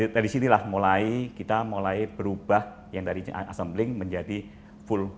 dari sinilah mulai kita mulai berubah yang tadinya assembling menjadi full